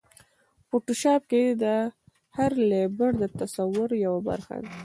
فوټوشاپ کې هر لېیر د تصور یوه برخه ده.